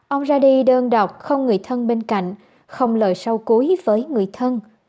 ông ra đi đơn độc không người thân bên cạnh không lời sâu cuối với người thân